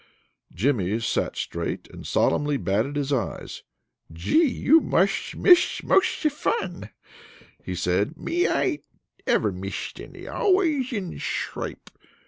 Jimmy sat straight and solemnly batted his eyes. "Gee! You musht misshed mosht the fun!" he said. "Me, I ain't ever misshed any. Always in schrape.